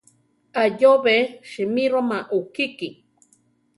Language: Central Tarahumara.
Ayóbe simíroma ukiki.